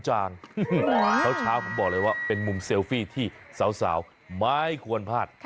เช้าผมบอกเลยว่าเป็นมุมเซลฟี่ที่สาวไม่ควรพลาด